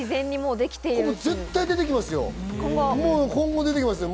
絶対今後、出てきますよ。